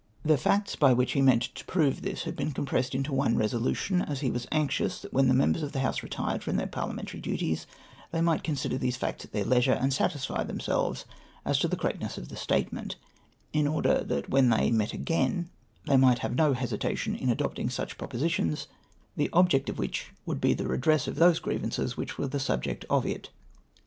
The facts by which he meant to prove this he had com pressed into one resolution ; as he was anxious that when the members of that House retired from their Parliamentary duties, they might consider these facts at their leisure, and satisfy themselves as to the correctness of the statement, in order that when they met again they miglit have no hesita tion in adopting such proj^ositions, the object of which would * Tlie American mcrcliant Korvice. RESOLUTIONS TIIEREOX. iiSl lie tlie redress of those grievances which were the subject of it.